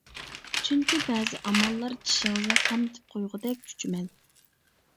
چۈنكى بەزى ئاماللار چىشىڭىزنى قامىتىپ قويغۇدەك «چۈچۈمەل» .